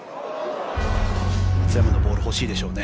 松山のボール欲しいでしょうね。